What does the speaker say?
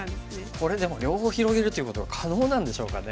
これでも両方広げるということは可能なんでしょうかね。